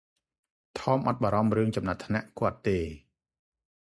ថម អត់បារម្ភរឿងចំណាត់ថ្នាក់គាត់ទេ។